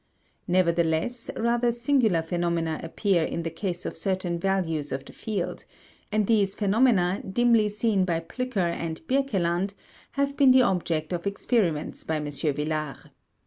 Nevertheless, rather singular phenomena appear in the case of certain values of the field, and these phenomena, dimly seen by Plücker and Birkeland, have been the object of experiments by M. Villard.